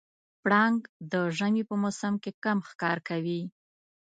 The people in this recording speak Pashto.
پړانګ د ژمي په موسم کې کم ښکار کوي.